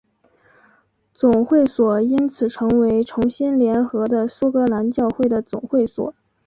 总会所因此成为重新联合的苏格兰教会的总会所。